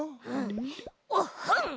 おっほん！